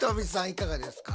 いかがですか？